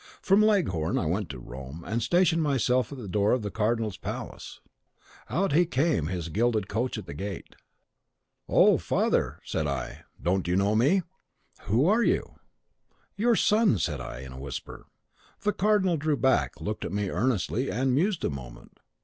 From Leghorn I went to Rome, and stationed myself at the door of the cardinal's palace. Out he came, his gilded coach at the gate. "'Ho, father!' said I; 'don't you know me?' "'Who are you?' "'Your son,' said I, in a whisper. "The cardinal drew back, looked at me earnestly, and mused a moment.